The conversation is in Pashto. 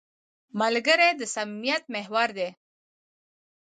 ملګری د صمیمیت محور دی